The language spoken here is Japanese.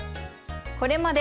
これまで